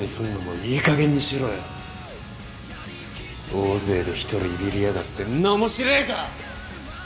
大勢で一人いびりやがってんな面白えか！？